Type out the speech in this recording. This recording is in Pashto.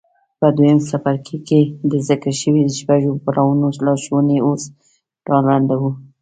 په دويم څپرکي کې د ذکر شويو شپږو پړاوونو لارښوونې اوس را لنډوو.